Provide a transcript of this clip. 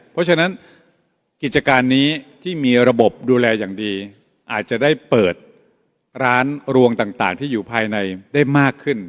เพราะฉะนั้นกิจการนี้ที่มีระบบดูแลอย่างดีอาจจะได้เปิดร้านรวงต่างที่อยู่ภายในได้มากขึ้น